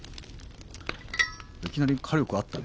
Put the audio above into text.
いきなり火力あったね